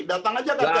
datang aja ke atm